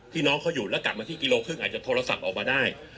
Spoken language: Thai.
น้องเขาอยู่แล้วกลับมาที่กิโลครึ่งอาจจะโทรศัพท์ออกมาได้